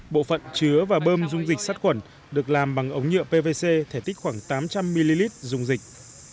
bộ phận chứa và bơm dung dịch sát khuẩn được làm bằng ống nhựa pvc thể tích khoảng tám trăm linh ml dung dịch